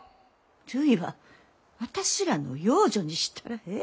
るいは私らの養女にしたらええ。